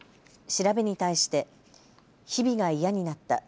調べに対して日々が嫌になった。